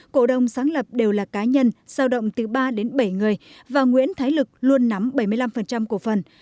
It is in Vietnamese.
cổ đông sáng lập đều là cá nhân giao động từ ba đến bảy người và nguyễn thái lực luôn nắm bảy mươi năm cổ phần